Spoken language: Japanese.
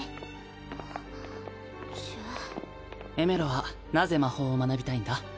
ちぇっエメロはなぜ魔法を学びたいんだ？